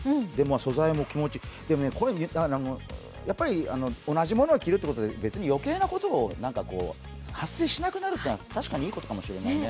素材も気持ちいい、でもこれやっぱり同じ者を着るってことで余計なことが発生しなくなるというのは確かにいいことかもしれないね。